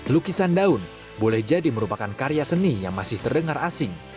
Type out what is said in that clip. lukisan daun boleh jadi merupakan karya seni yang masih terdengar asing